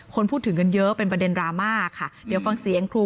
คนพูดถึงกันเยอะเป็นประเด็นดราม่าค่ะเดี๋ยวฟังเสียงครู